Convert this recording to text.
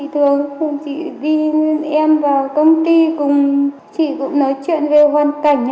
thường chị đi em vào công ty cùng chị cũng nói chuyện về hoàn cảnh